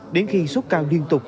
đến khi sốt cao liên tục